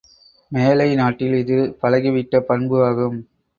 மேலை நாட்டில் இது பழகிவிட்ட பண்பு ஆகும்.